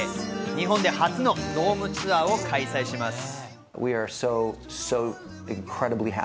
日本で初のドームツアーを開催します。